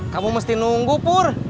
kamu mesti nunggu pur